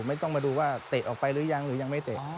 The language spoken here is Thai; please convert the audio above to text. ไม่ต้องมาดูว่าเตะออกไปหรือยังหรือยังไม่เตะ